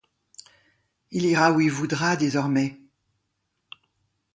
Il ira où il voudra, désormais.